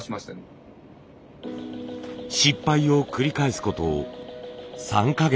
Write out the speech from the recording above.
失敗を繰り返すこと３か月。